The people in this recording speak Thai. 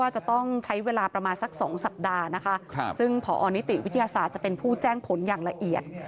จะเป็นผู้แจ้งผลอย่างละเอียด